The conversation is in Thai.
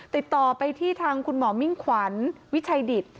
ติดต่อไปที่ทางคุณหมอมิ่งขวัญวิชัยดิต